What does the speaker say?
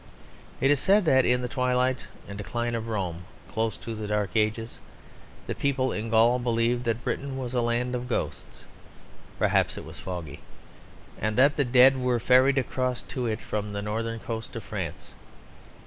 It is said that in the twilight and decline of Rome, close to the dark ages, the people in Gaul believed that Britain was a land of ghosts (perhaps it was foggy), and that the dead were ferried across to it from the northern coast of France.